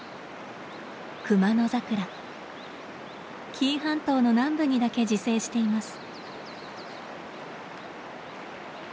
紀伊半島の南部にだけ自生しています。